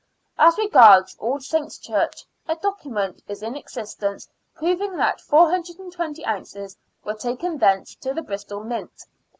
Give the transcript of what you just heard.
As regards All Saints' Church, a document is in existence proving that 420 ounces were taken thence to the Bristol Mint.